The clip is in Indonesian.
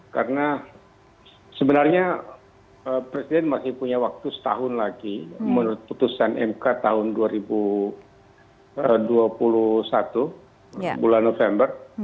karena sebenarnya presiden masih punya waktu setahun lagi menurut putusan mk tahun dua ribu dua puluh satu bulan november